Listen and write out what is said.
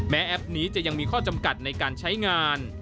แอปนี้จะยังมีข้อจำกัดในการใช้งาน